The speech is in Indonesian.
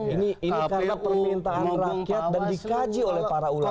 ini karena permintaan rakyat dan dikaji oleh para ulama